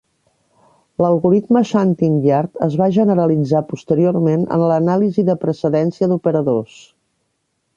L'algoritme shunting-yard es va generalitzar posteriorment en l'anàlisi de precedència d'operadors.